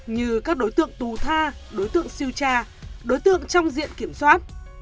như các đối tượng tù tha đối tượng siêu cha đối tượng trong diện kiểm soát